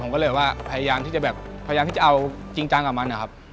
ผมก็เลยว่าพยายามที่จะเอาจริงจังกับมันนะครับ